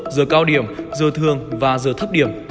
giờ cao điểm giờ thường và giờ thấp điểm